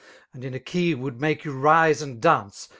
And: in a key would make you rise and dance